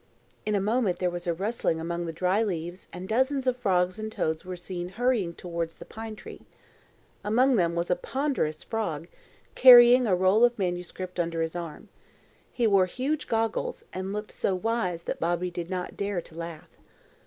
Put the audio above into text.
In a moment there was a rustling among the dry leaves and dozens of frogs and toads were seen hurrying towards the pine tree. Among them was a ponderous frog, carrying a roll of manuscript under his arm. He wore huge goggles, and looked so wise that Bobby did not dare to laugh.